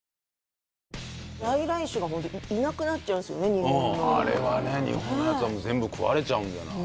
日本のあれはね日本のやつは全部食われちゃうんじゃない？